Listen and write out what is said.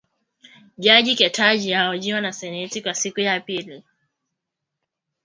Jaji Ketanji ahojiwa na seneti kwa siku ya pili